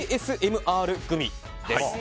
ＡＳＭＲグミです。